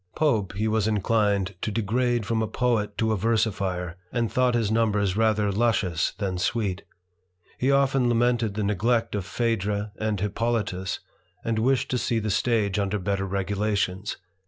Pope he was inclined to degrade from a poet to a versifier, and thought his numbers rather luscious than sweet. He often lamented the neglect of Phaedra and Hippolitus, and wished to see the stage under better regulations.